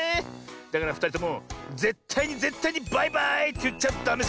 だからふたりともぜったいにぜったいにバイバーイっていっちゃダメサボだよ。